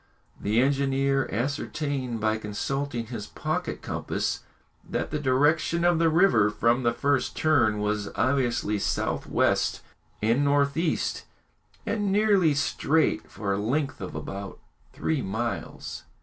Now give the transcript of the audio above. The engineer ascertained by consulting his pocket compass that the direction of the river from the first turn was obviously south west and north east, and nearly straight for a length of about three miles.